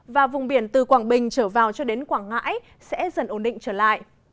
và vùng biển từ quảng bình trở vào cho đến quảng ngãi sẽ dần ổn định trở lại